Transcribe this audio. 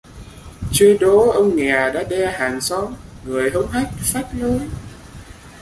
Chưa đỗ ông nghè đã đe hàng xóm: người hống hách, phách lối